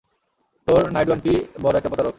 তোর নাইডু আন্টি বড় একটা প্রতারক।